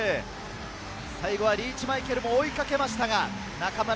最後はリーチ・マイケルも追いかけましたが、中村亮